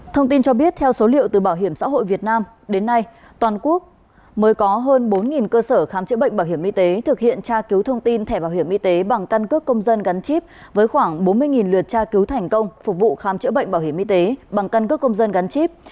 thông tin cho biết theo số liệu từ bảo hiểm xã hội việt nam đến nay toàn quốc mới có hơn bốn cơ sở khám chữa bệnh bảo hiểm y tế thực hiện tra cứu thông tin thẻ bảo hiểm y tế bằng căn cước công dân gắn chip với khoảng bốn mươi lượt tra cứu thành công phục vụ khám chữa bệnh bảo hiểm y tế bằng căn cước công dân gắn chip